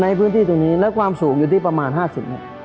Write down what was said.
ในพื้นที่ตรงนี้และความสูงอยู่ที่ประมาณ๕๐เมตร